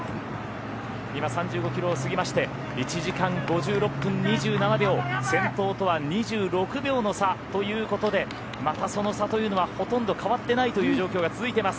今、３５キロを過ぎまして１時間５６分２７秒先頭とは２６秒の差ということでまたその差というのはほとんど変わっていないという状況が続いてます。